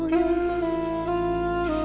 kelihatanmu yang empuk